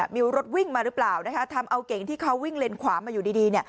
มีรถวิ่งมาหรือเปล่านะคะทำเอาเก่งที่เขาวิ่งเลนขวามาอยู่ดีเนี่ย